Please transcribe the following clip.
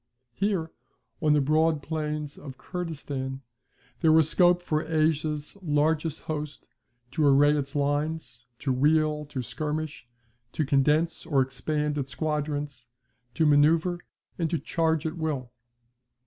Here, on the broad plains of Kurdistan, there was scope for Asia's largest host to array its lines, to wheel, to skirmish, to condense or expand its squadrons, to manoeuvre, and to charge at will.